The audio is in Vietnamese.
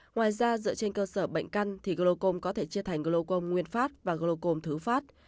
ngoài ra dựa trên cơ sở bệnh căn thì glaucom có thể chia thành glaucom nguyên phát và glaucom thứ phát